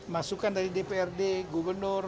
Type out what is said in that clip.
masukan dari dprd gubernur